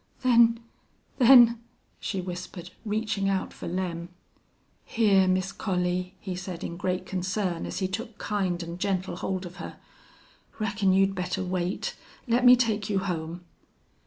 "Then then " she whispered, reaching out for Lem. "Hyar, Miss Collie," he said, in great concern, as he took kind and gentle hold of her. "Reckon you'd better wait. Let me take you home."